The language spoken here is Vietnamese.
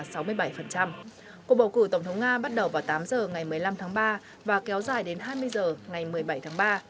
cuộc bầu cử tổng thống nga bắt đầu vào tám h ngày một mươi năm tháng ba và kéo dài đến hai mươi h ngày một mươi bảy tháng ba